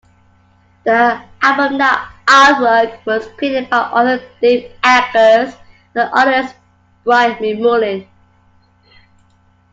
The album artwork was created by author Dave Eggers and artist Brian McMullen.